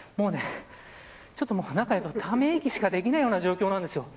ちょっともう中にいるとため息しかできないような状況です。